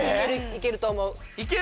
・いけると思う？